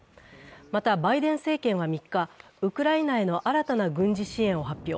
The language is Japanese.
また、バイデン政権は３日、ウクライナへの新たな軍事支援を発表。